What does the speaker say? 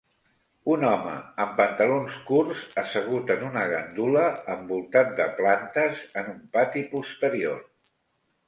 Un home amb pantalons curts assegut en una gandula envoltat de plantes en un pati posterior.